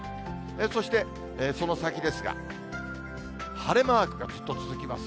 そして、その先ですが、晴れマークがずっと続きます。